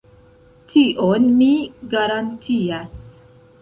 Tion mi garantias.